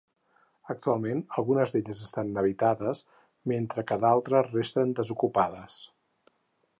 Actualment algunes d'elles estan habitades mentre que d'altres resten desocupades.